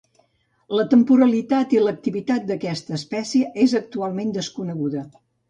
La temporalitat i l'activitat d'aquesta espècie és actualment desconeguda.